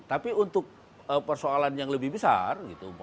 tapi untuk persoalan yang lebih besar